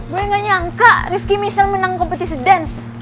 gue nggak nyangka rifki michel menang kompetisi dance